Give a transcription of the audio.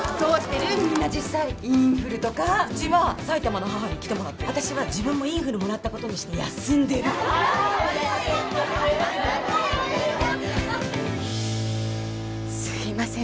みんな実際インフルとかうちは埼玉の母に来てもらってる私は自分もインフルもらったことにして休んでるすいません